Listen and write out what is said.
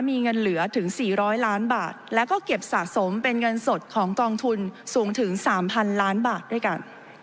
มีเงินเหลือถึง๔๐๐ล้านบาทแล้วก็เก็บสะสมเป็นเงินสดของกองทุนสูงถึง๓๐๐๐ล้านบาทด้วยกัน